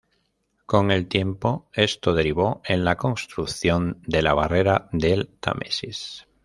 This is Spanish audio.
Con el tiempo esto derivó en la construcción de la Barrera del Támesis.